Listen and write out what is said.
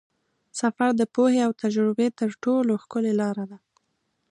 سفر د پوهې او تجربې تر ټولو ښکلې لاره ده.